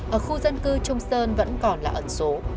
ở khu dân cư trung sơn vẫn còn là ẩn số